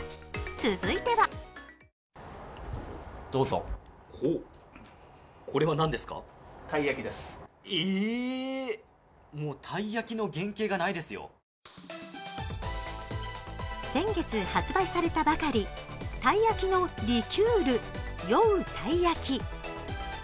続いては先月発売されたばかり、たい焼きのリキュール、酔うたい焼き。